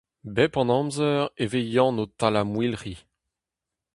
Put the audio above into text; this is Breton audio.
Bep an amzer e vez Yann o tallañ mouilc'hi.